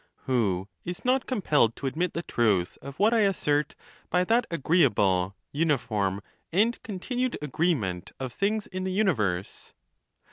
Who is not compelled to admit the truth of what I as sert by that agreeable, unifoi'm, and continued agreement of things in the universe?